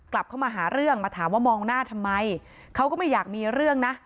กลับเข้ามาหาเรื่องมาถามว่ามองหน้าทำไมเขาก็ไม่อยากมีเรื่องนะ